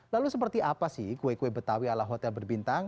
lalu seperti apa sih kue kue betawi ala hotel berbintang